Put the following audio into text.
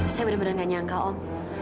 saya benar benar gak nyangka om